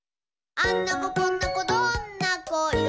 「あんな子こんな子どんな子いろ